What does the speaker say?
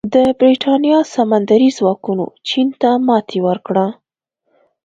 د برېټانیا سمندري ځواکونو چین ته ماتې ورکړه.